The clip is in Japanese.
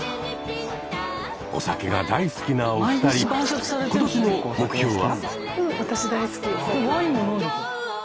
お酒が大好きなお二人今年の目標は？